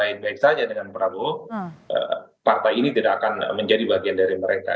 baik baik saja dengan prabowo partai ini tidak akan menjadi bagian dari mereka